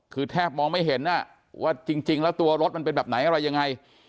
คือแทบมองไม่เห็นว่าจริงแล้วตัวรถมันเป็นแบบไหนอะไรยังไง